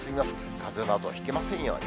かぜなどひきませんように。